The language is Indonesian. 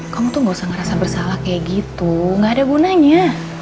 kamu tuh gak usah ngerasa bersalah kayak gitu gak ada gunanya